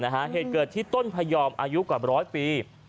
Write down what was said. เหตุเกิดที่ต้นพยอมอายุกว่าร้อยปี